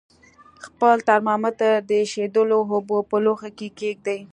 خپل ترمامتر د ایشېدلو اوبو په لوښي کې کیږدئ.